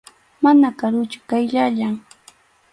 Mana karuchu, qayllallam.